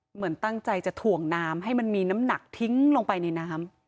เหมือนตั้งใจจะถ่วงน้ำให้มันมีน้ำหนักทิ้งลงไปในน้ำ